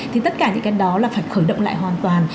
thì tất cả những cái đó là phải khởi động lại hoàn toàn